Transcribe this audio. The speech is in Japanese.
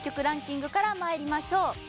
ランキングからまいりましょう。